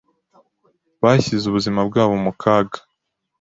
Bashyize ubuzima bwabo mu kaga.